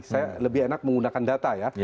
saya lebih enak menggunakan data ya